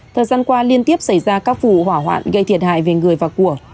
thời gian qua liên tiếp xảy ra các vụ hỏa hoạn gây thiệt hại về người và của